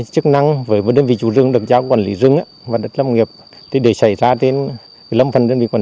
trường tra quản lý thực tiệp